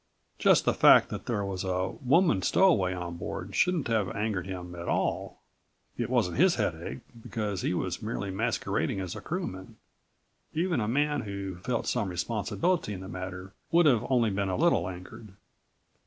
Just the fact that there was a woman stowaway on Board shouldn't have angered him at all. It wasn't his headache, because he was merely masquerading as a crewman. Even a man who felt some responsibility in the matter would have only been a little angered."